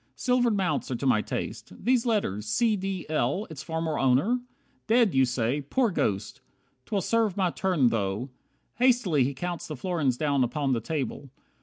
Silvered mounts Are to my taste. These letters `C. D. L.' Its former owner? Dead, you say. Poor Ghost! 'Twill serve my turn though " Hastily he counts The florins down upon the table.